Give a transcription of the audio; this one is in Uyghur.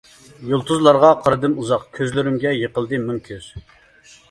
يۇلتۇزلارغا قارىدىم ئۇزاق، كۆزلىرىمگە يىقىلدى مىڭ كۆز.